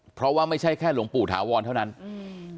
เพราะว่าไม่ใช่แค่หลวงปู่ถาวรเท่านั้นอืม